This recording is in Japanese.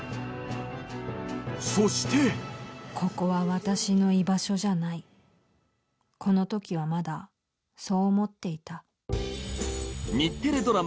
そしてここは私の居場所じゃないこの時はまだそう思っていた。